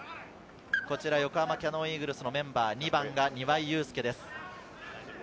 横浜キヤノンイーグルスのメンバー、２番が庭井祐輔です。